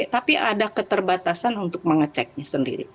tapi ada keterbatasan untuk mengeceknya sendiri